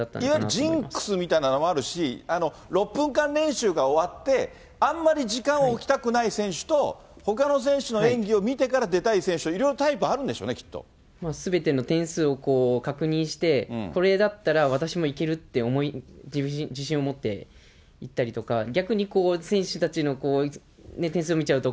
いわゆるジンクスみたいのもあるし、６分間練習が終わって、あんまり時間を置きたくない選手と、ほかの選手の演技を見てから出たい選手と、いろいろタイプあるんすべての点数を確認して、これだったら私もいけるって自信を持っていったりとか、